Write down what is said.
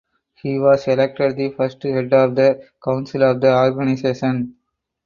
He was elected the first head of the council of the organization.